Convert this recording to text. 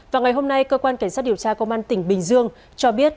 vào ngày hôm nay cơ quan cảnh sát điều tra công an tỉnh bình dương cho biết